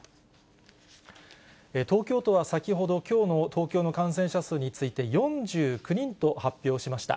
東京都は先ほど、きょうの東京の感染者数について４９人と発表しました。